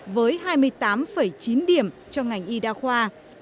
với hai mươi tám chín điểm cho ngành y đa khoa